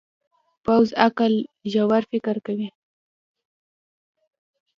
پوخ عقل ژور فکر کوي